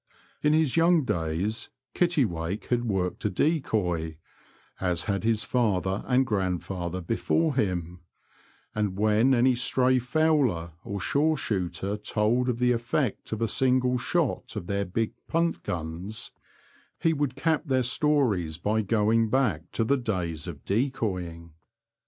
In his young days Kittiwake had worked a decoy, as had his father and grandfather before him ; and when any stray fowler or shore shooter told of the effect of a single shot of their big punt guns, he would cap their stories by going back to the days of decoying.